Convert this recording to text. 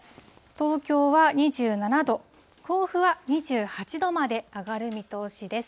東京は２７度、甲府は２８度まで上がる見通しです。